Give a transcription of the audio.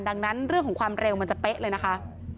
ดังนั้นเรื่องของความเร็วมันจะเป๊ะเลยนะคะ